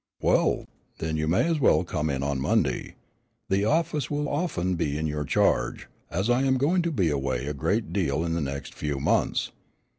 "Well, then, you may as well come in on Monday. The office will be often in your charge, as I am going to be away a great deal in the next few months.